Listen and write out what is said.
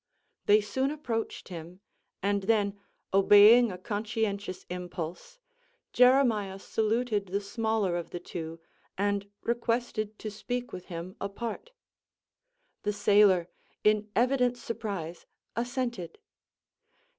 They soon approached him; and then, obeying a conscientious impulse, Jeremiah saluted the smaller of the two, and requested to speak with him apart. The sailor, in evident surprise, assented.